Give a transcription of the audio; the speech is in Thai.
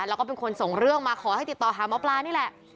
แล้วก็เป็นคนส่งเรื่องมาขอให้ติดต่อหาหมอปลานี่แหละ